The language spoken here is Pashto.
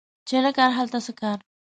چی نه کار، هلته څه کار